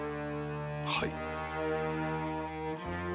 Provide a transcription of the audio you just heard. はい。